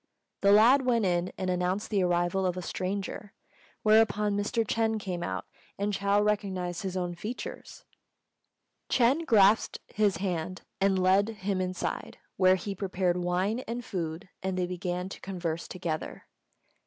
The lad went in and announced the arrival of a stranger, whereupon Mr. Ch'êng came out, and Chou recognised his own features. Ch'êng grasped his hand and led him inside, where he prepared wine and food, and they began to converse together.